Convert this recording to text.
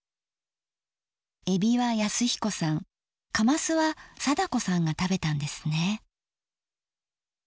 えびは恭彦さんかますは貞子さんが食べたんですね。